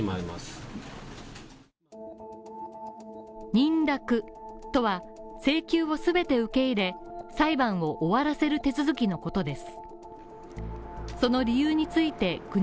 認諾とは請求を全て受け入れ裁判を終わらせる手続きのことです。